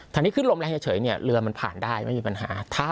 ถ้านี้คลื่นลมแรงเฉยเรือมันผ่านได้ไม่มีปัญหา